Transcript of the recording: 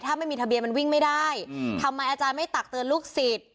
ถ้าไม่มีทะเบียนมันวิ่งไม่ได้ทำไมอาจารย์ไม่ตักเตือนลูกศิษย์